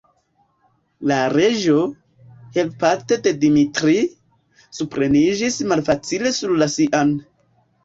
La Reĝo, helpate de Dimitri, supreniĝis malfacile sur la sian.